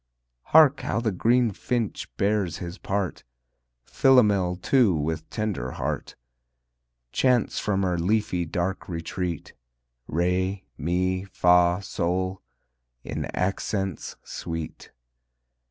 Hark how the green finch bears his part, Philomel, too, with tender heart, Chants from her leafy dark retreat Re, mi, fa, sol, in accents sweet.